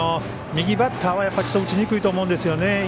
右バッターは打ちにくいと思うんですよね。